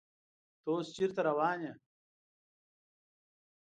ته اوس چیرته روان یې؟